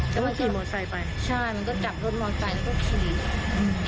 แล้วมันขี่มอไซค์ไปใช่มันก็จับรถมอไซค์ก็ขี่อืม